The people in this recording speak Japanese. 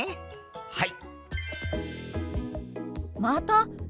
はい！